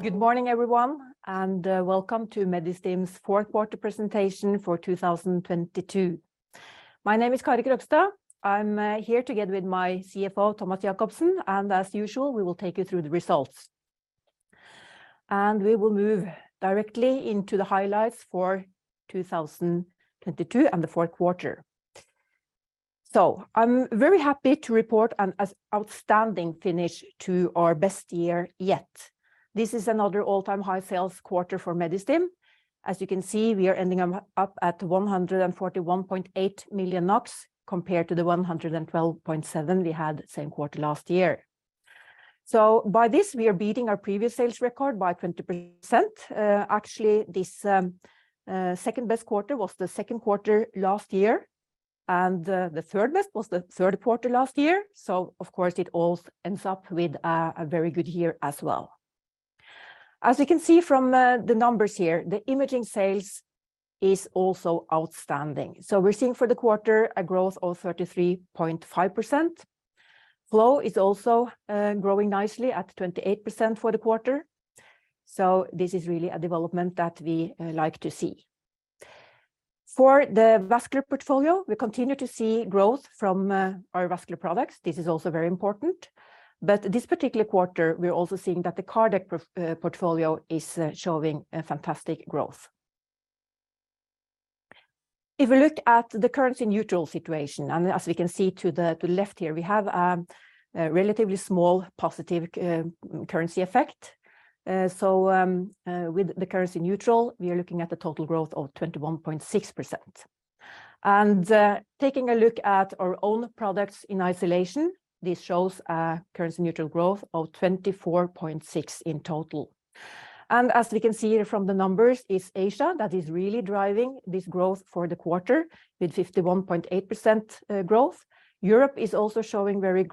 Good morning, everyone, welcome to Medistim's fourth quarter presentation for 2022. My name is Kari Krogstad. I'm here together with my CFO, Thomas Jakobsen, as usual, we will take you through the results. We will move directly into the highlights for 2022 and the fourth quarter. I'm very happy to report an outstanding finish to our best year yet. This is another all-time high sales quarter for Medistim. As you can see, we are ending up at 141.8 million NOK compared to the 112.7 million we had same quarter last year. By this, we are beating our previous sales record by 20%. Actually, this second best quarter was the second quarter last year, and the third best was the third quarter last year. Of course, it all ends up with a very good year as well. As you can see from the numbers here, the imaging sales is also outstanding. We're seeing for the quarter a growth of 33.5%. Flow is also growing nicely at 28% for the quarter. This is really a development that we like to see. For the vascular portfolio, we continue to see growth from our vascular products. This is also very important. This particular quarter, we're also seeing that the cardiac portfolio is showing a fantastic growth. If we look at the currency neutral situation, and as we can see to the left here, we have a relatively small positive currency effect. With the currency neutral, we are looking at a total growth of 21.6%. Taking a look at our own products in isolation, this shows a currency neutral growth of 24.6% in total. As we can see from the numbers, it's Asia that is really driving this growth for the quarter with 51.8% growth. Europe is also showing very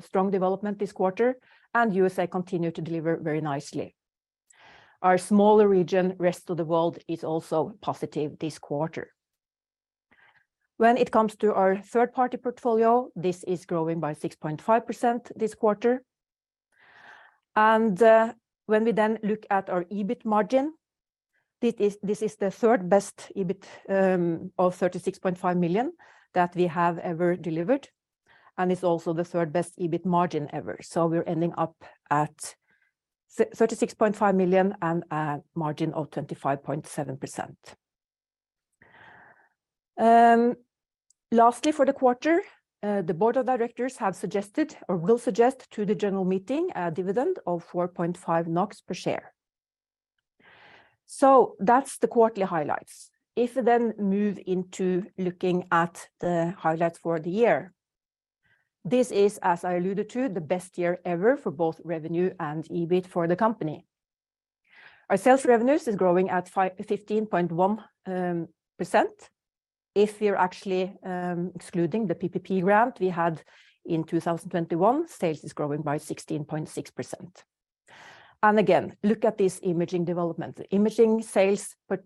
strong development this quarter, and U.S.A continue to deliver very nicely. Our smaller region, Rest of the World, is also positive this quarter. When it comes to our third-party portfolio, this is growing by 6.5% this quarter. When we then look at our EBIT margin, this is the third-best EBIT of 36.5 million that we have ever delivered, and it's also the third-best EBIT margin ever. We're ending up at 36.5 million and a margin of 25.7%. Lastly, for the quarter, the board of directors have suggested or will suggest to the general meeting a dividend of 4.5 NOK per share. That's the quarterly highlights. If we then move into looking at the highlights for the year, this is, as I alluded to, the best year ever for both revenue and EBIT for the company. Our sales revenues is growing at 15.1%. If we're actually excluding the PPP grant we had in 2021, sales is growing by 16.6%. Again, look at this imaging development. Imaging sales of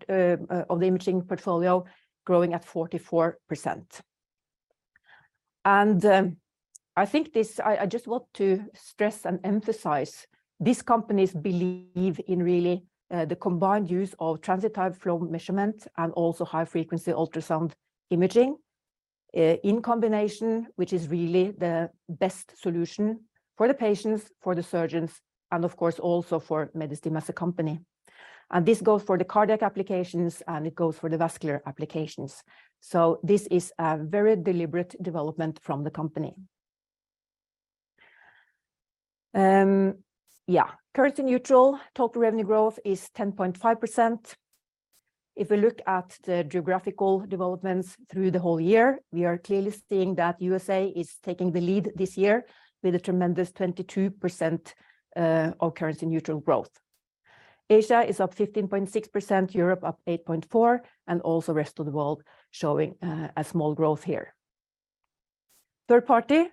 the imaging portfolio growing at 44%. I just want to stress and emphasize, this companies believe in really, the combined use of Transit Time Flow Measurement and also High-Frequency Ultrasound Imaging, in combination, which is really the best solution for the patients, for the surgeons, and of course, also for Medistim as a company. This goes for the cardiac applications, and it goes for the vascular applications. This is a very deliberate development from the company. Currency neutral total revenue growth is 10.5%. If we look at the geographical developments through the whole year, we are clearly seeing that U.S.A is taking the lead this year with a tremendous 22% of currency neutral growth. Asia is up 15.6%, Europe up 8.4%, and also Rest of the World showing a small growth here. Third party,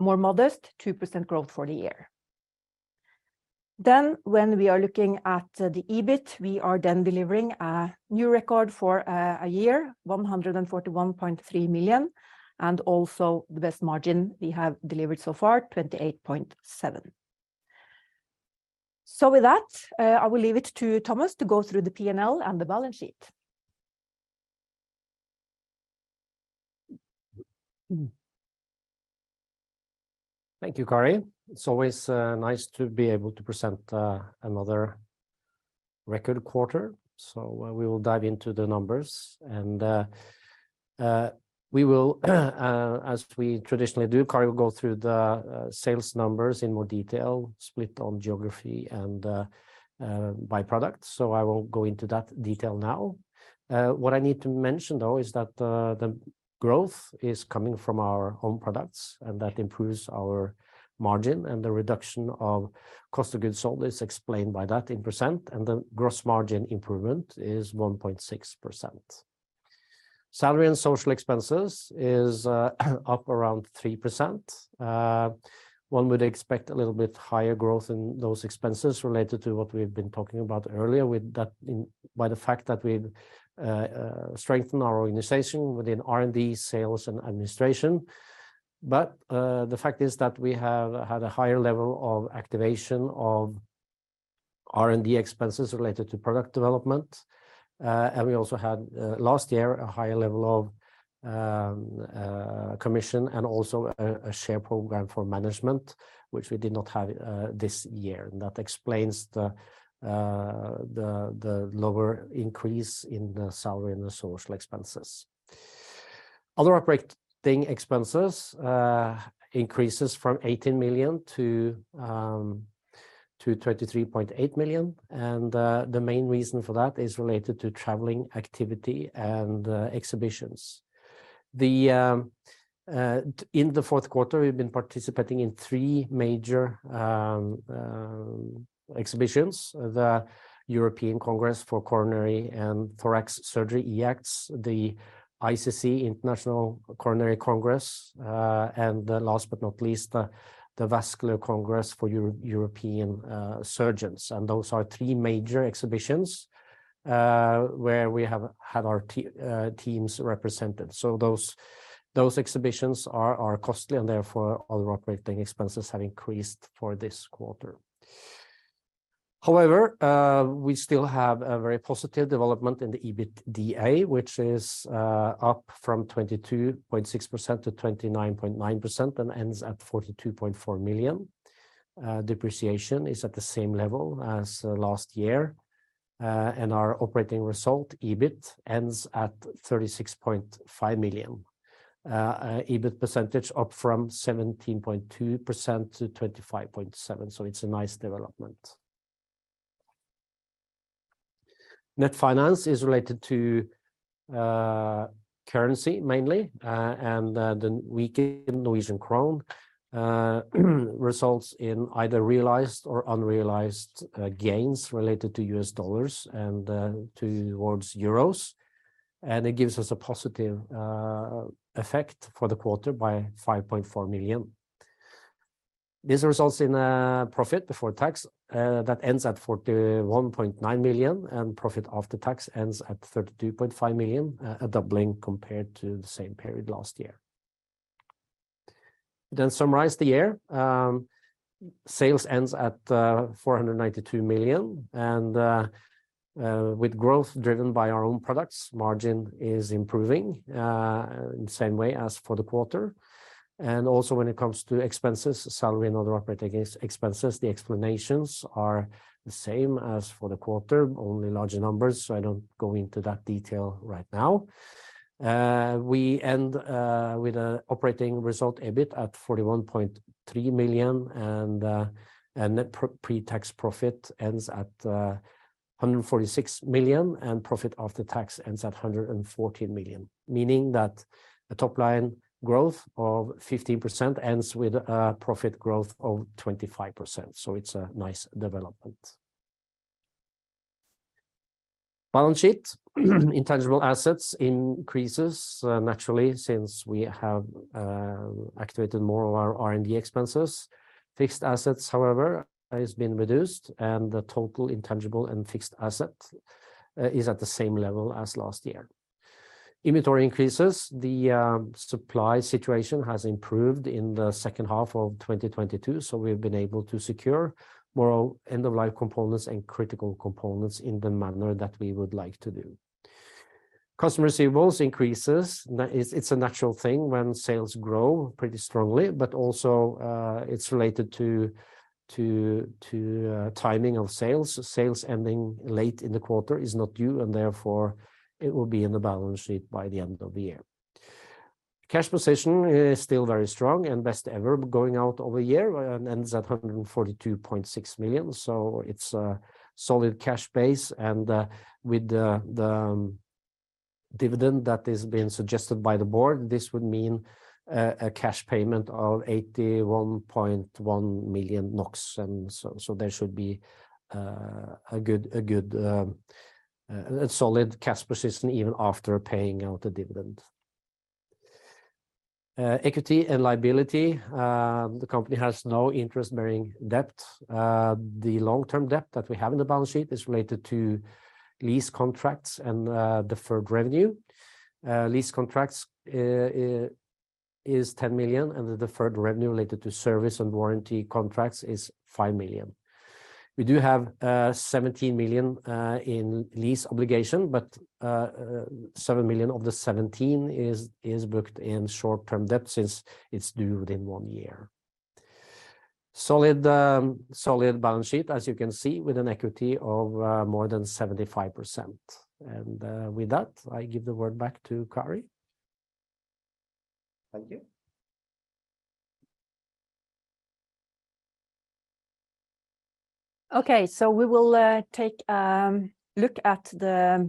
more modest, 2% growth for the year. When we are looking at the EBIT, we are then delivering a new record for a year, 141.3 million, and also the best margin we have delivered so far, 28.7%. With that, I will leave it to Thomas to go through the P&L and the balance sheet. Thank you, Kari. It's always nice to be able to present another record quarter. We will dive into the numbers and we will, as we traditionally do, Kari will go through the sales numbers in more detail, split on geography and by product. I won't go into that detail now. What I need to mention, though, is that the growth is coming from our own products, and that improves our margin, and the reduction of cost of goods sold is explained by that in percent, and the gross margin improvement is 1.6%. Salary and social expenses is up around 3%. One would expect a little bit higher growth in those expenses related to what we've been talking about earlier with that in... by the fact that we've strengthened our organization within R&D, sales, and administration. The fact is that we have had a higher level of activation of R&D expenses related to product development. We also had last year a higher level of commission and also a share program for management, which we did not have this year. That explains the lower increase in the salary and the social expenses. Other operating expenses increases from NOK 18 million-NOK 23.8 million. The main reason for that is related to traveling activity and exhibitions. In the fourth quarter, we've been participating in three major exhibitions, the European Congress for Coronary and Thorax Surgery, EACTS, the ICC, International Coronary Congress, and the last but not least, the Vascular Congress for European Surgeons. Those are three major exhibitions where we have had our teams represented. Those exhibitions are costly and therefore other operating expenses have increased for this quarter. We still have a very positive development in the EBITDA, which is up from 22.6%-29.9% and ends at 42.4 million. Depreciation is at the same level as last year. Our operating result, EBIT, ends at 36.5 million. EBIT percentage up from 17.2%-25.7%. It's a nice development. Net finance is related to currency mainly, and the weakened Norwegian krone results in either realized or unrealized gains related to U.S. dollars and towards Euros. It gives us a positive effect for the quarter by 5.4 million. This results in a profit before tax that ends at 41.9 million and profit after tax ends at 32.5 million, a doubling compared to the same period last year. Summarize the year. Sales ends at 492 million. With growth driven by our own products, margin is improving in the same way as for the quarter. Also when it comes to expenses, salary and other operating expenses, the explanations are the same as for the quarter, only larger numbers, so I don't go into that detail right now. We end with an operating result EBIT at 41.3 million and net pre-tax profit ends at 146 million, and profit after tax ends at 114 million, meaning that a top-line growth of 15% ends with a profit growth of 25%. It's a nice development. Balance sheet. Intangible assets increases naturally since we have activated more of our R&D expenses. Fixed assets, however, has been reduced, and the total intangible and fixed asset is at the same level as last year. Inventory increases. The supply situation has improved in the second half of 2022, so we've been able to secure more end-of-life components and critical components in the manner that we would like to do. Customer receivables increases. It's a natural thing when sales grow pretty strongly, but also, it's related to timing of sales. Sales ending late in the quarter is not due, and therefore it will be in the balance sheet by the end of the year. Cash position is still very strong and best ever going out over a year and ends at 142.6 million. It's a solid cash base. With the dividend that is being suggested by the board, this would mean a cash payment of 81.1 million NOK. So there should be a good, solid cash position even after paying out the dividend. Equity and liability. The company has no interest-bearing debt. The long-term debt that we have in the balance sheet is related to lease contracts and deferred revenue. Lease contracts is 10 million, and the deferred revenue related to service and warranty contracts is 5 million. We do have 17 million in lease obligation, but 7 million of the 17 is booked in short-term debt since it's due within one year. Solid balance sheet, as you can see, with an equity of more than 75%. With that, I give the word back to Kari. Thank you. Okay. We will take a look at the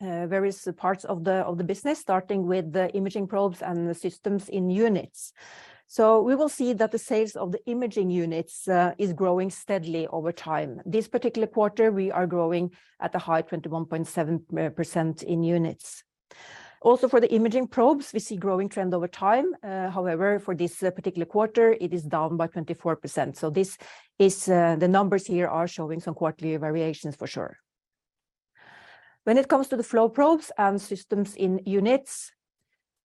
various parts of the business, starting with the imaging probes and the systems in units. We will see that the sales of the imaging units is growing steadily over time. This particular quarter, we are growing at a high 21.7% in units. For the imaging probes, we see growing trend over time. For this particular quarter, it is down by 24%. This is, the numbers here are showing some quarterly variations for sure. When it comes to the flow probes and systems in units,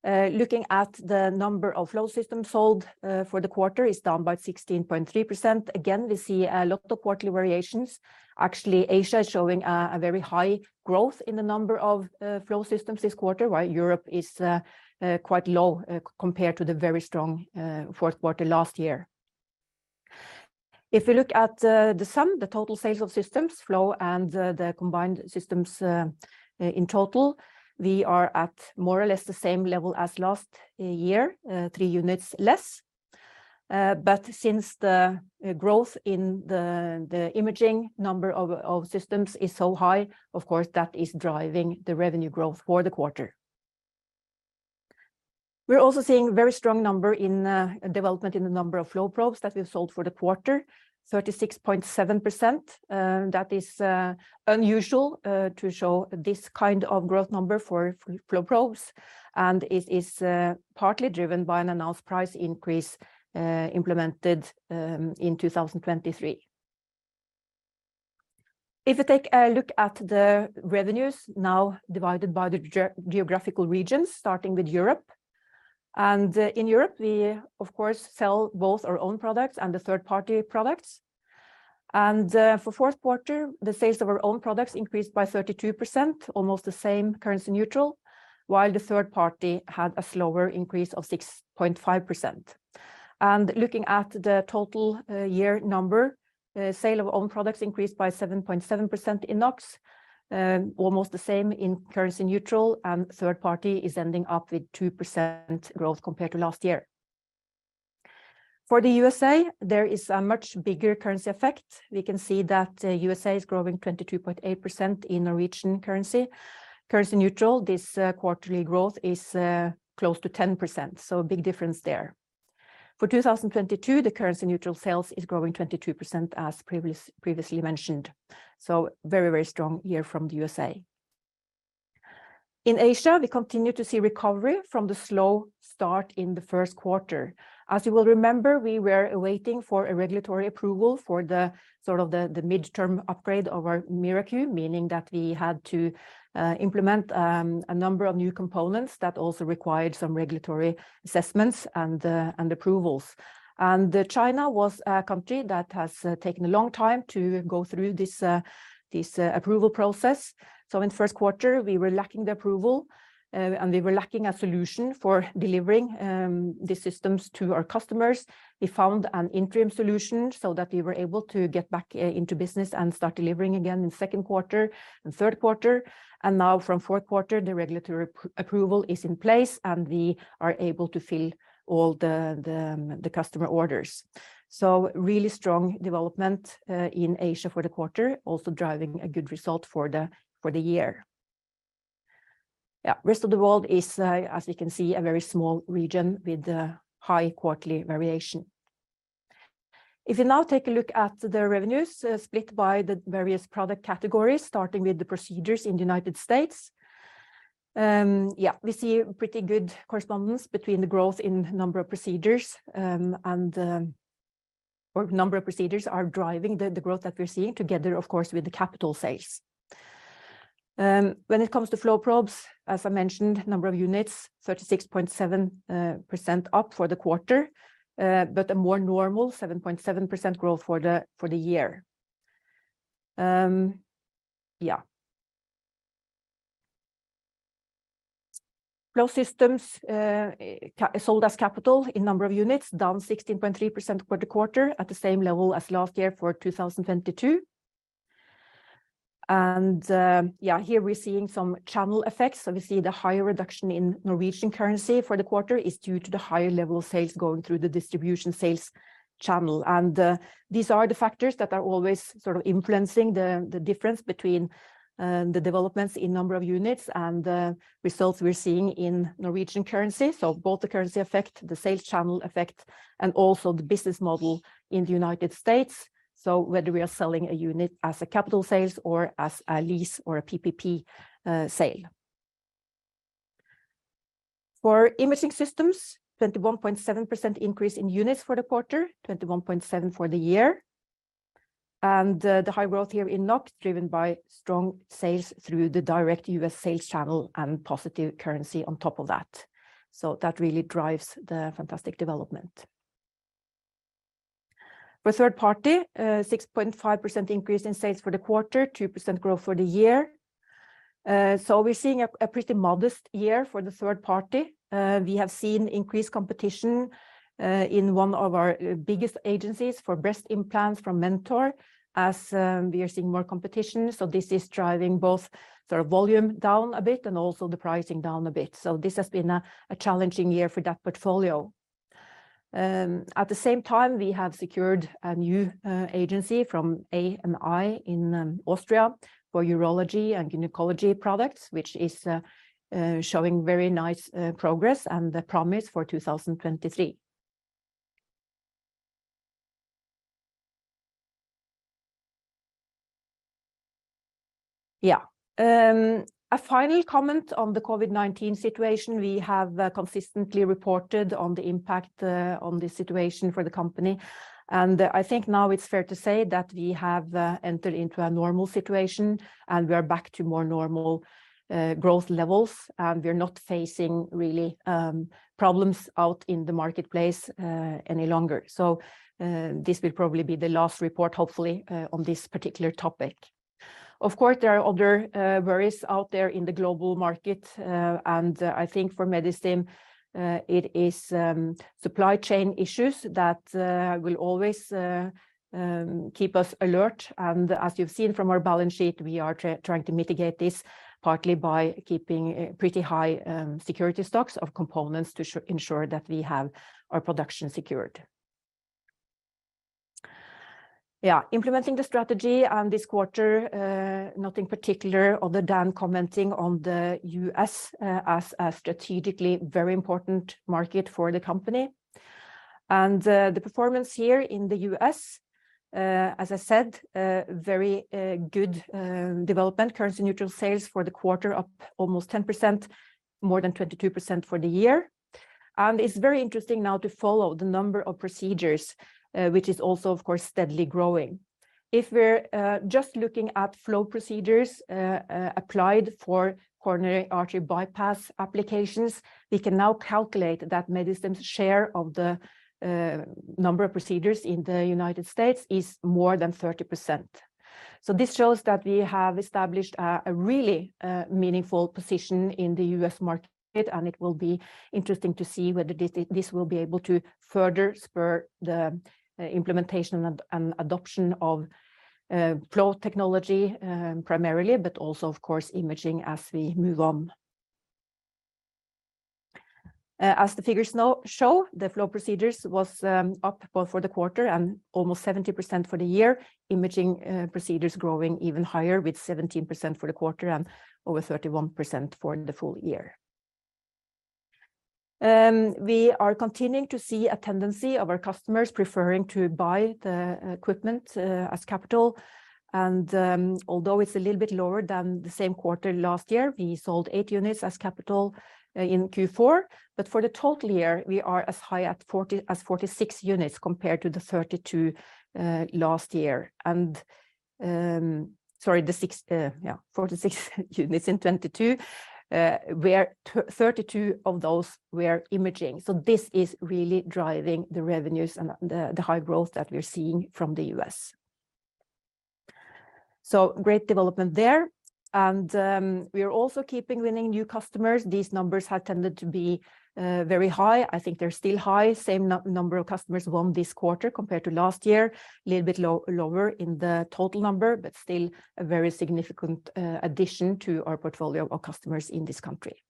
looking at the number of flow systems sold, for the quarter is down by 16.3%. Again, we see a lot of quarterly variations. Actually, Asia is showing a very high growth in the number of flow systems this quarter, while Europe is quite low compared to the very strong fourth quarter last year. If we look at the sum, the total sales of systems flow and the combined systems, in total, we are at more or less the same level as last year, 3 units less. Since the growth in the imaging number of systems is so high, of course, that is driving the revenue growth for the quarter. We're also seeing very strong number in development in the number of flow probes that we've sold for the quarter, 36.7%. That is unusual to show this kind of growth number for flow probes, and it is partly driven by an announced price increase, implemented in 2023. If you take a look at the revenues now divided by the geographical regions, starting with Europe, in Europe, we of course, sell both our own products and the third-party products. For fourth quarter, the sales of our own products increased by 32%, almost the same currency neutral, while the third party had a slower increase of 6.5%. Looking at the total year number, the sale of own products increased by 7.7% in NOK, almost the same in currency neutral, and third party is ending up with 2% growth compared to last year. For the U.S.A, there is a much bigger currency effect. We can see that U.S.A is growing 22.8% in Norwegian currency. Currency neutral, this quarterly growth is close to 10%. A big difference there. For 2022, the currency neutral sales is growing 22% as previously mentioned. Very, very strong year from the U.S.A. In Asia, we continue to see recovery from the slow start in the first quarter. As you will remember, we were waiting for a regulatory approval for the sort of the midterm upgrade of our MiraQ, meaning that we had to implement a number of new components that also required some regulatory assessments and approvals. China was a country that has taken a long time to go through this approval process. In first quarter, we were lacking the approval, and we were lacking a solution for delivering the systems to our customers. We found an interim solution so that we were able to get back into business and start delivering again in second quarter and third quarter. From fourth quarter, the regulatory approval is in place, and we are able to fill all the customer orders. Really strong development in Asia for the quarter, also driving a good result for the year. Yeah, rest of the world is, as you can see, a very small region with a high quarterly variation. If you now take a look at the revenues split by the various product categories, starting with the procedures in the United States, yeah, we see pretty good correspondence between the growth in number of procedures, or number of procedures are driving the growth that we're seeing together, of course, with the capital sales. When it comes to flow probes, as I mentioned, number of units, 36.7% up for the quarter, but a more normal 7.7% growth for the year. Yeah. Flow systems, sold as capital in number of units down 16.3% for the quarter at the same level as last year for 2022. Yeah, here we're seeing some channel effects. Obviously, the higher reduction in NOK for the quarter is due to the higher level of sales going through the distribution sales channel. These are the factors that are always sort of influencing the difference between the developments in number of units and the results we're seeing in NOK. Both the currency effect, the sales channel effect, and also the business model in the United States. Whether we are selling a unit as a capital sales or as a lease or a PPP, sale. For imaging systems, 21.7% increase in units for the quarter, 21.7% for the year. The high growth here in NOK is driven by strong sales through the direct U.S. sales channel and positive currency on top of that. That really drives the fantastic development. For third party, a 6.5% increase in sales for the quarter, 2% growth for the year. We're seeing a pretty modest year for the third party. We have seen increased competition in one of our biggest agencies for breast implants from Mentor as we are seeing more competition. This is driving both sort of volume down a bit and also the pricing down a bit. This has been a challenging year for that portfolio. At the same time, we have secured a new agency from AMI in Austria for urology and gynecology products, which is showing very nice progress and the promise for 2023. Yeah. A final comment on the COVID-19 situation. We have consistently reported on the impact on the situation for the company. I think now it's fair to say that we have entered into a normal situation, and we are back to more normal growth levels. We're not facing really problems out in the marketplace any longer. This will probably be the last report, hopefully, on this particular topic. Of course, there are other worries out there in the global market. I think for Medistim, it is supply chain issues that will always keep us alert. As you've seen from our balance sheet, we are trying to mitigate this partly by keeping a pretty high security stocks of components to ensure that we have our production secured. Implementing the strategy this quarter, nothing particular other than commenting on the U.S. as a strategically very important market for the company. The performance here in the U.S., as I said, a very good development. Currency-neutral sales for the quarter up almost 10%, more than 22% for the year. It's very interesting now to follow the number of procedures, which is also, of course, steadily growing. If we're just looking at flow procedures, applied for coronary artery bypass applications, we can now calculate that Medistim's share of the number of procedures in the United States is more than 30%. This shows that we have established a really meaningful position in the U.S. market, and it will be interesting to see whether this will be able to further spur the implementation and adoption of flow technology, primarily, but also, of course, imaging as we move on. As the figures now show, the flow procedures was up both for the quarter and almost 70% for the year. Imaging procedures growing even higher with 17% for the quarter and over 31% for the full year. We are continuing to see a tendency of our customers preferring to buy the equipment as capital. Although it's a little bit lower than the same quarter last year, we sold eight units as capital in Q4. For the total year, we are as high as 46 units compared to the 32 units last year. Sorry, the six-- Yeah, 46 units in 2022. Where 32 of those were imaging. This is really driving the revenues and the high growth that we're seeing from the U.S.. Great development there. We are also keeping winning new customers. These numbers have tended to be very high. I think they're still high. Same number of customers won this quarter compared to last year. A little bit lower in the total number, but still a very significant addition to our portfolio of customers in this country.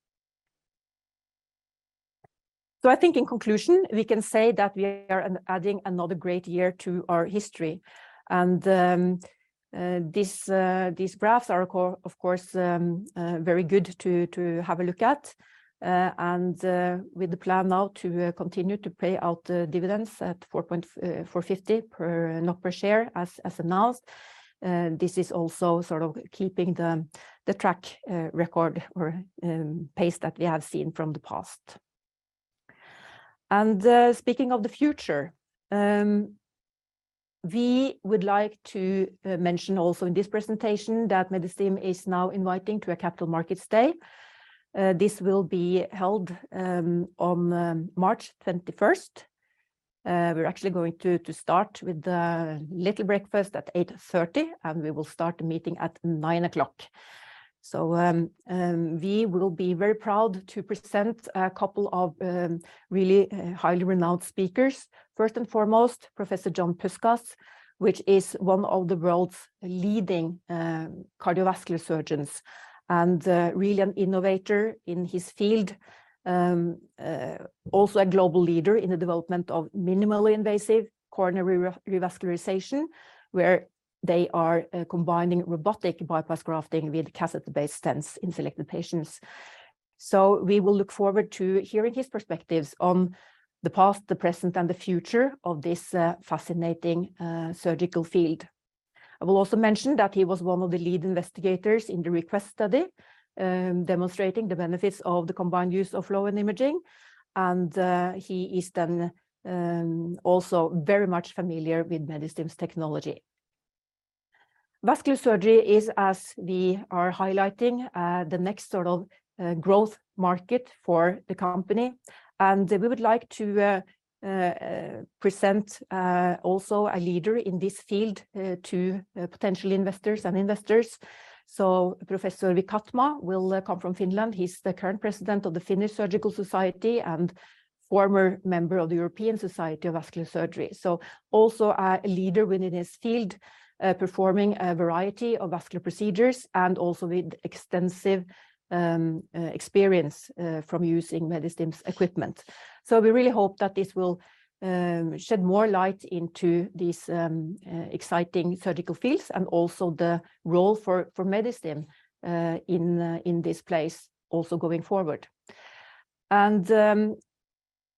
I think in conclusion, we can say that we are adding another great year to our history. These graphs are of course very good to have a look at. With the plan now to continue to pay out the dividends at 4.50 per share as announced, this is also sort of keeping the track record or pace that we have seen from the past. Speaking of the future, we would like to mention also in this presentation that Medistim is now inviting to a Capital Markets Day. This will be held on March 21st. We're actually going to start with the little breakfast at 8:30. We will start the meeting at 9:00. We will be very proud to present a couple of really highly renowned speakers. First and foremost, Professor John Puskas, which is one of the world's leading cardiovascular surgeons and really an innovator in his field. Also a global leader in the development of minimally invasive coronary revascularization, where they are combining robotic bypass grafting with catheter-based stents in selected patients. We will look forward to hearing his perspectives on the past, the present, and the future of this fascinating surgical field. I will also mention that he was one of the lead investigators in the REQUEST Study, demonstrating the benefits of the combined use of flow and imaging, and he is also very much familiar with Medistim's technology. Vascular surgery is, as we are highlighting, the next sort of growth market for the company. We would like to present also a leader in this field to potential investors and investors. Professor Vikatmaa will come from Finland. He's the current President of the Finnish Society of Surgery and former member of the European Society for Vascular Surgery. Also a leader within his field, performing a variety of vascular procedures and also with extensive experience from using Medistim's equipment. We really hope that this will shed more light into these exciting surgical fields and also the role for Medistim in this place also going forward.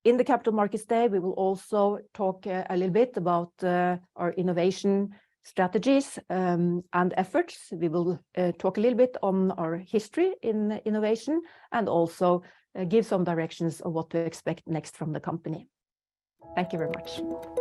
In the Capital Markets Day, we will also talk a little bit about our innovation strategies and efforts. We will talk a little bit on our history in innovation and also give some directions of what to expect next from the company. Thank you very much.